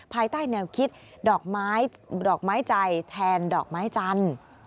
ภายใต้แนวคิดดอกไม้ดอกไม้ใจแทนดอกไม้จันทร์